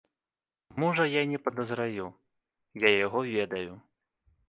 Мужа я не падазраю, я яго ведаю.